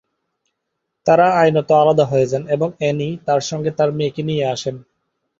তারা আইনত আলাদা হয়ে যান এবং অ্যানি তার সঙ্গে তার মেয়েকে নিয়ে আসেন।